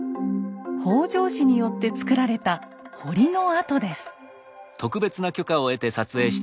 北条氏によってつくられた堀の跡です。